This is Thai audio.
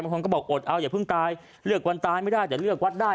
บางคนก็บอกอดเอาอย่าเพิ่งตายเลือกวันตายไม่ได้แต่เลือกวัดได้